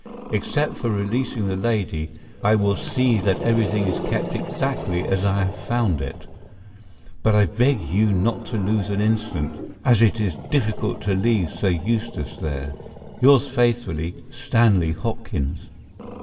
Except for releasing the lady I will see that everything is kept exactly as I have found it, but I beg you not to lose an instant, as it is difficult to leave Sir Eustace there. Yours faithfully, STANLEY HOPKINS.